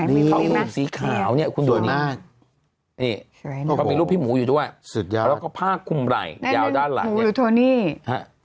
นี่เขาเป็นสีขาวเนี่ยคุณดูนี่นี่เขามีรูปพี่หมูอยู่ด้วยแล้วก็ผ้าคุมไหล่ยาวด้านหลังเนี่ย